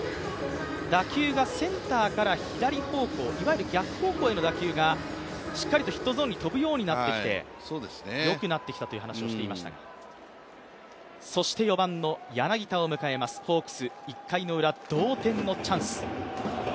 打球がセンターから左方向いわゆる逆方向への打球がしっかりとヒットゾーンに飛ぶようになってきて、よくなってきたと話をしていました、そして４番の柳田を迎えます、ホークス１回のウラ、同点のチャンス。